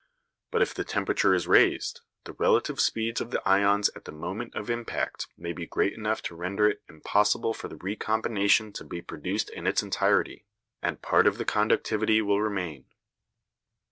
But if the temperature is raised, the relative speeds of the ions at the moment of impact may be great enough to render it impossible for the recombination to be produced in its entirety, and part of the conductivity will remain.